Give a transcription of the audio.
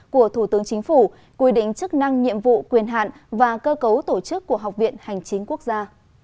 của thủ tướng chính phủ quy định chức năng nhiệm vụ quyền hạn và cơ cấu tổ chức của học viện hành chính quốc gia